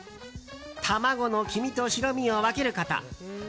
卵の黄身と白身を分けること。